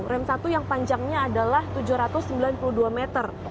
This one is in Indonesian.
rem satu yang panjangnya adalah tujuh ratus sembilan puluh dua meter